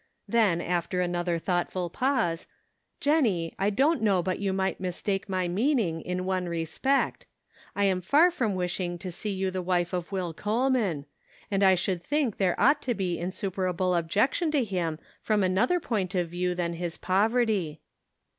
Then, after another thoughtful pause —" Jennie, I don't know but you might mistake my mean ing, in one respect; I am far from wishing to see you the wife of Will Coleman ; and I should think there ought to be insuperable objection to him from another point of view than his povert}r."